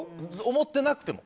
思っていなくても。